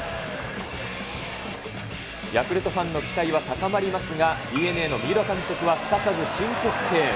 ヤクルトファンの期待は高まりますが、ＤｅＮＡのみうら監督はすかさず申告敬遠。